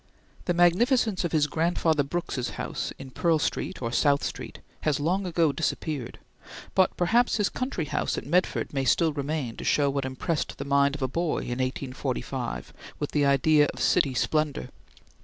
The magnificence of his grandfather Brooks's house in Pearl Street or South Street has long ago disappeared, but perhaps his country house at Medford may still remain to show what impressed the mind of a boy in 1845 with the idea of city splendor.